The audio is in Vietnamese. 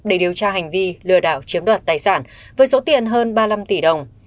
để điều tra hành vi lừa đảo chiếm đoạt tài sản với số tiền hơn ba mươi năm tỷ đồng